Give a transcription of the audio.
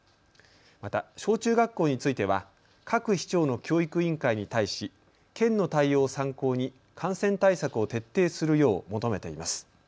また小中学校については各市町の教育委員会に対し県の対応を参考に感染対策を徹底するよう求めています。